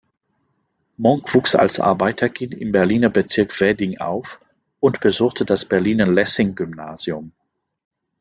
Monk wuchs als Arbeiterkind im Berliner Bezirk Wedding auf und besuchte das Berliner Lessing-Gymnasium.